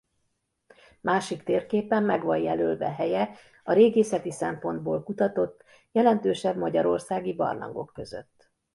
Másik térképen meg van jelölve helye a régészeti szempontból kutatott jelentősebb magyarországi barlangok között.